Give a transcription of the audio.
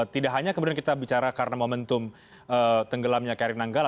tidak hanya kemudian kita bicara karena momentum tenggelamnya kri nanggala